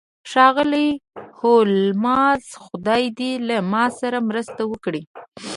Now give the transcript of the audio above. ښاغلی هولمز خدای دې له ما سره مرسته وکړي